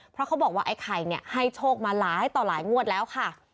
เพราะเขาบอกว่าไอ้ไข่ให้โชคมาหลายต่อหลายงวดแล้วค่ะ